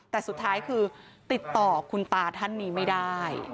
แต่สุดท้ายคือติดต่อคุณตาท่านนี้ไม่ได้